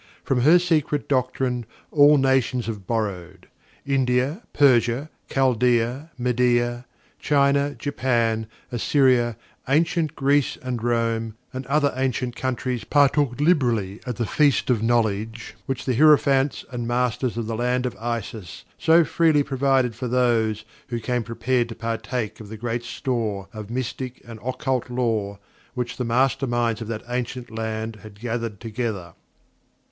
From her Secret Doctrine all nations have borrowed. India, Persia, Chaldea, Medea, China, Japan, Assyria, ancient Greece and Rome, and other ancient countries partook liberally at the feast of knowledge which the Hierophants and Masters of the Land of Isis so freely provided for those who came prepared to partake of the great store of Mystic and Occult Lore which the masterminds of that ancient land had gathered together.